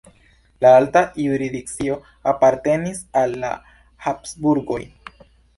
La alta jurisdikcio apartenis al la Habsburgoj.